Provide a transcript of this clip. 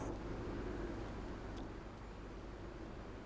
dia juga mengalami kecelakaan